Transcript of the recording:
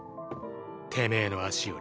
てめぇの脚より？